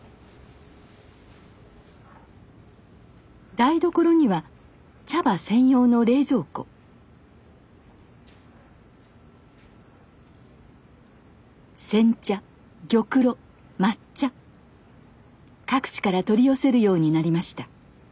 台所には茶葉専用の冷蔵庫煎茶玉露抹茶各地から取り寄せるようになりました